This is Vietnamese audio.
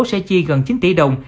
sẽ chi gần chín tỷ đồng